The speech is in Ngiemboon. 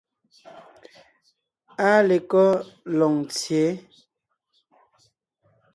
Áa lekɔ́ Loŋtsyě?